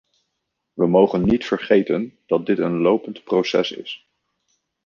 We mogen niet vergeten dat dit een lopend proces is.